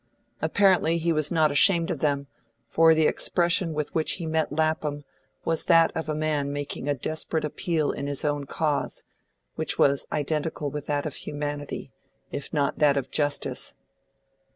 Apparently he was not ashamed of them, for the expression with which he met Lapham was that of a man making a desperate appeal in his own cause, which was identical with that of humanity, if not that of justice.